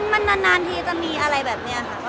มันนานทีจะมีอะไรแบบนี้ค่ะ